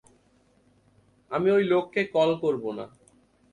আমি ওই লোককে কল করব না।